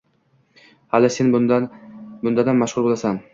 Hali sen bundanam mashhur bo`lasan